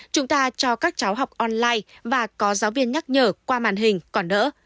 chúng ta cho các cháu học online và có giáo viên nhắc nhở qua màn hình còn đỡ